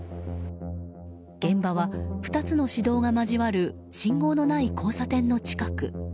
現場は２つの市道が交わる信号のない交差点の近く。